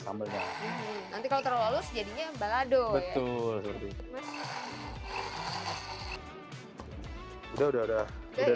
sambelnya nanti kalau terlalu halus jadinya balado ya betul betul udah udah udah dapat halusnya udah